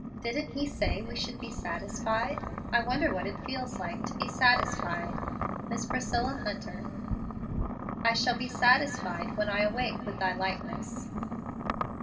Didn't He say we should be satisfied ? I wonder what it feels like to be satisfied! ts Miss Priscilla Hunter. " I shall be satisfied token I awake with thy likeness